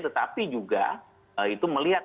tetapi juga itu melihat